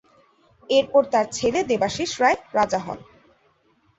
এরপর তার ছেলে দেবাশীষ রায় রাজা হন।